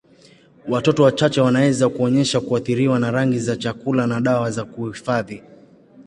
Watoto wachache wanaweza kuonyesha kuathiriwa na rangi za chakula na dawa za kuhifadhi.